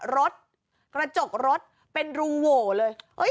รถกระจกรถเป็นรูโหวเลย